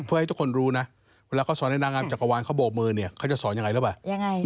เวลาเขาสอนนางามจากกะวานที่เขาโบกมืออย่างไรหรือเปล่า